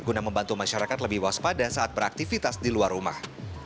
guna membantu masyarakat lebih waspada saat beraktivitas di luar rumah